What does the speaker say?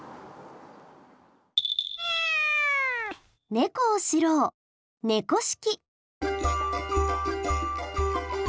猫を知ろう「猫識」。